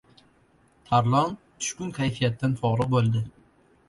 Tarlon tushkun kayfiyatdan foriq’ bo‘ldi!